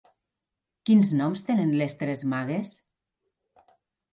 Quins noms tenen les tres Magues?